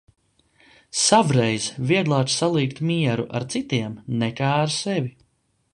Savreiz, vieglāk salīgt mieru ar citiem, nekā ar sevi.